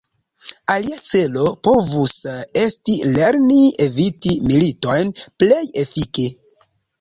Alia celo povus esti lerni eviti militojn plej efike.